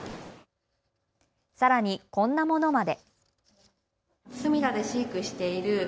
さらに、こんなものまで。